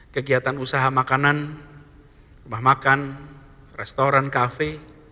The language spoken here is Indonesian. kegiatan usaha makanan rumah makan restoran kafe